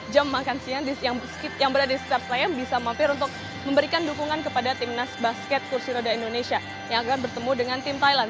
jam makan siang yang berada di setiap senayan bisa mampir untuk memberikan dukungan kepada timnas basket kursi roda indonesia yang akan bertemu dengan tim thailand